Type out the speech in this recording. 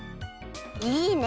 いいね！